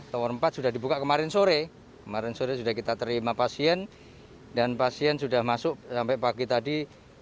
tower empat sudah dibuka kemarin sore kemarin sore sudah kita terima pasien dan pasien sudah masuk sampai pagi tadi